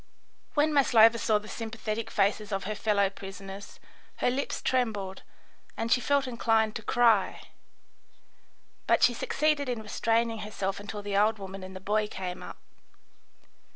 When Maslova saw the sympathetic faces of her fellow prisoners, her lips trembled and she felt inclined to cry, but she succeeded in restraining herself until the old woman and the boy came up.